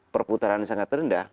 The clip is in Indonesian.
perputarannya sangat rendah